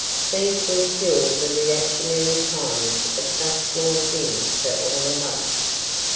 These were still the reactionary times of such small things for all of us.